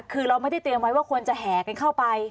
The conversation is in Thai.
คือเราไม่ได้เตรียมไว้ว่าคนจะแห่กันเข้าไป